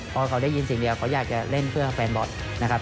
พอเขาได้ยินสิ่งเดียวเขาอยากจะเล่นเพื่อแฟนบอลนะครับ